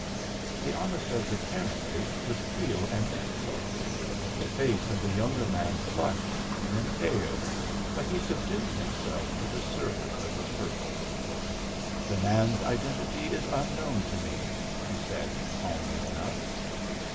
The Armisteds, apparently, could feel an insult: the face of the younger man flushed, then paled, but he subdued himself to the service of his purpose. "The man's identity is unknown to me," he said, calmly enough.